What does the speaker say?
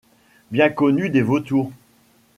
Bien connu des vautours.